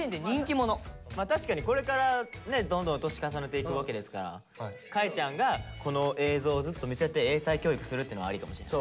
まあ確かにこれからねどんどん年重ねていくわけですからかえちゃんがこの映像をずっと見せて英才教育するっていうのはありかもしれない。